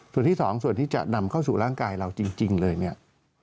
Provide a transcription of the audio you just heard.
ส่วนที่สองส่วนที่จะนำเข้าสู่ร่างกายเราจริงเลยเนี่ย